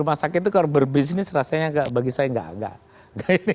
rumah sakit itu kalau berbisnis rasanya bagi saya tidak